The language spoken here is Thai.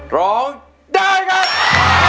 ร้องได้กัน